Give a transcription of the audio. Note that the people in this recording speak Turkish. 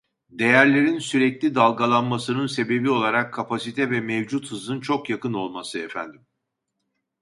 Değerlerin sürekli dalgalanmasının sebebi olarak kapasite ve mevcut hızın çok yakın olması efendim